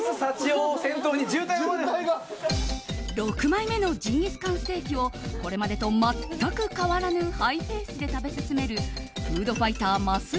６枚目のジンギスカンステーキをこれまでと全く変わらぬハイペースで食べ進めるフードファイター、ます